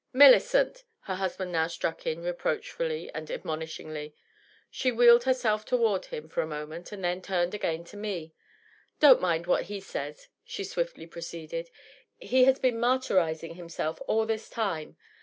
'^ Millicent I" her husband now struck in, reproachAiUy and admon ishinriy. She wheeled herself toward him for a moment, and then turned again to me. "Don't mind what he says," she swiftly proceeded. "He h^ been martyrizing himself all this time.